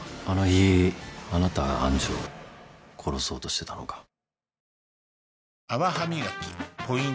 「あの日あなたが愛珠を殺そうとしてたのか」